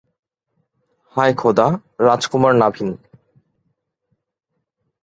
হায় খোদা, রাজকুমার নাভিন!